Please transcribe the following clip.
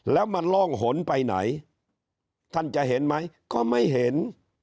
แล้วมันล่องหนไปไหนท่านจะเห็นไหมก็ไม่เห็น